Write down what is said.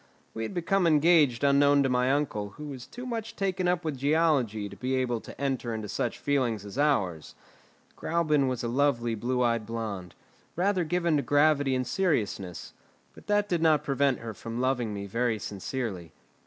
We had become engaged unknown to my uncle, who was too much taken up with geology to be able to enter into such feelings as ours. Gräuben was a lovely blue eyed blonde, rather given to gravity and seriousness; but that did not prevent her from loving me very sincerely.